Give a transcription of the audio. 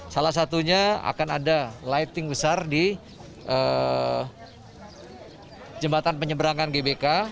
salah satunya akan ada lighting besar di jembatan penyeberangan gbk